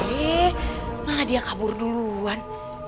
eh malah dia kabur duluan